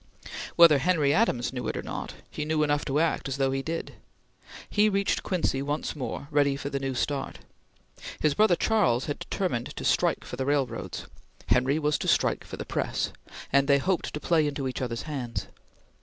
Whether Henry Adams knew it or not, he knew enough to act as though he did. He reached Quincy once more, ready for the new start. His brother Charles had determined to strike for the railroads; Henry was to strike for the press; and they hoped to play into each other's hands.